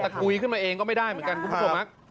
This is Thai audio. แต่ตะกุยขึ้นมาเองก็ไม่ได้เหมือนกันครับคุณผู้สมมติ